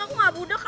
aku gak budok kali